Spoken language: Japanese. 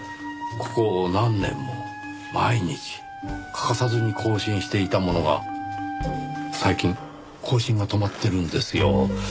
ここ何年も毎日欠かさずに更新していたものが最近更新が止まってるんですよ。